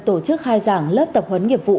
tổ chức khai giảng lớp tập huấn nghiệp vụ